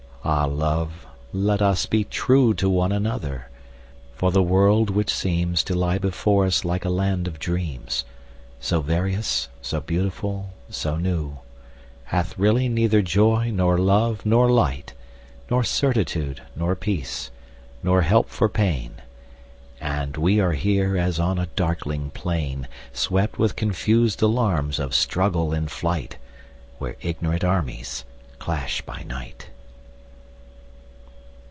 Ah, love, let us be trueTo one another! for the world, which seemsTo lie before us like a land of dreams, So various, so beautiful, so new, Hath really neither joy, nor love, nor light, Nor certitude, nor peace, nor help for pain; And we are here as on a darkling plainSwept with confus'd alarms of struggle and flight, Where ignorant armies clash by night.